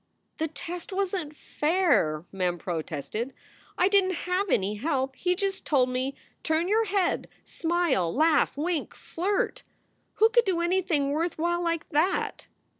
"The test wasn t fair!" Mem protested. "I didn t have any help. He just told me, Turn your head, smile, laugh, wink, flirt. Who could do anything worth while like that